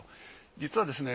実はですね